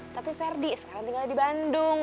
tapi ferdi sekarang tinggal di bandung